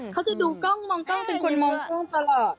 เขาจะดูกล้องมองกล้องเป็นคนมองกล้องตลอด